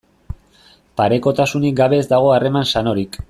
Parekotasunik gabe ez dago harreman sanorik.